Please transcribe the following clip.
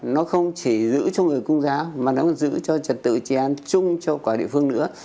nó không chỉ giữ cho người công giáo mà nó cũng giữ cho trật tự tri an chung cho quả địa phương nữa